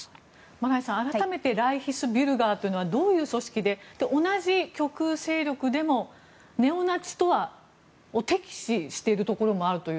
マライさん、改めてライヒスビュルガーというのはどういう組織で同じ極右勢力でもネオナチとは敵視しているところもあるという。